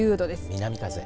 南風。